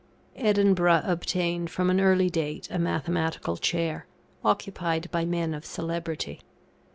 Edinburgh obtained from an early date a Mathematical chair, occupied by men of celebrity.